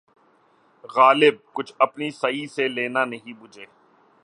غالبؔ! کچھ اپنی سعی سے لہنا نہیں مجھے